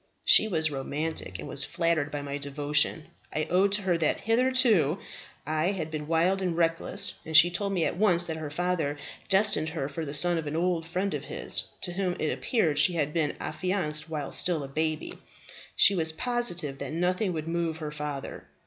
She was romantic, and was flattered by my devotion. I owned to her that hitherto I had been wild and reckless; and she told me at once that her father destined her for the son of an old friend of his, to whom it appeared she had been affianced while still a baby. She was positive that nothing would move her father.